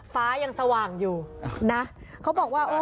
ฟ้ายังสว่างอยู่นะเขาบอกว่าโอ้